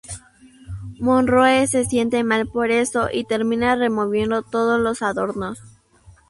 Monroe se siente mal por eso y termina removiendo todos los adornos.